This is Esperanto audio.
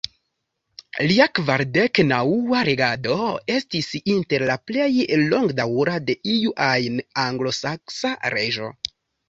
Lia kvardek-naŭa regado estis inter la plej longdaŭra de iu ajn anglosaksa reĝo.